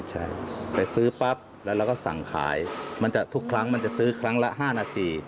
ใช่ไปซื้อปั๊บแล้วเราก็สั่งขายมันจะทุกครั้งมันจะซื้อครั้งละ๕นาที